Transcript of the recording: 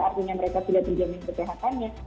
artinya mereka sudah terjamin kesehatannya